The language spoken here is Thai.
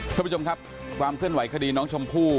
ท่านผู้ชมครับความเคลื่อนไหวคดีน้องชมพู่